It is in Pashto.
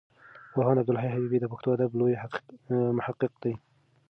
پوهاند عبدالحی حبیبي د پښتو ادب لوی محقق دی.